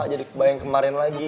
jadi bayang kemarin lagi